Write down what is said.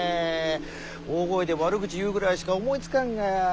大声で悪口言うぐらいしか思いつかんがや。